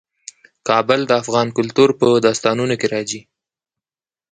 کابل د افغان کلتور په داستانونو کې راځي.